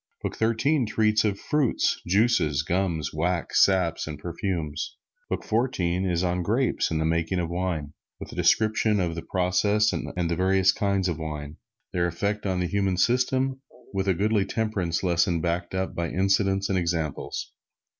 Book Thirteen treats of fruits, juices, gums, wax, saps and perfumes. Book Fourteen is on grapes and the making of wine, with a description of the process and the various kinds of wine, their effects on the human system, with a goodly temperance lesson backed up by incidents and examples.